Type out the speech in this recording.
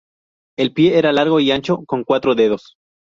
El pie era largo y ancho, con cuatro dedos.